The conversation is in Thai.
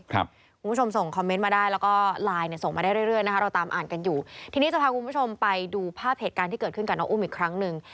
คุณผู้ชมส่งคอมเมนต์มาได้แล้วก็ไลน์เนี่ยส่งมาได้เรื่อยนะคะเราตามอ่านกันอยู่ทีนี้จะพาคุณผู้ชมไปดูภาพเหตุการณ์ที่เกิดขึ้นกับน้องอุ้มอีกครั้งหนึ่ง